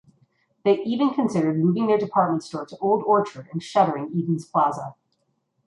They even considered moving their department store to Old Orchard and shuttering Edens Plaza.